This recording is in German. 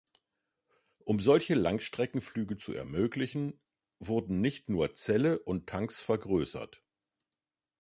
Um solche Langstreckenflüge zu ermöglichen, wurden nicht nur Zelle und Tanks vergrößert.